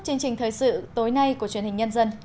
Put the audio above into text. chương trình thời sự tối nay của truyền hình nhân dân